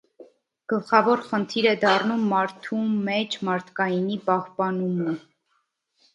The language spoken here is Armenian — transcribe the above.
Գլխավոր խնդիր է դառնում մարդում մեջ մարդկայինի պահպանումը։